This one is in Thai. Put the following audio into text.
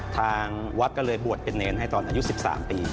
ทางวัดก็เลยบวชเป็นเนรให้ตอนอายุ๑๓ปี